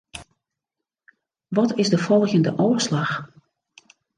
Wat is de folgjende ôfslach?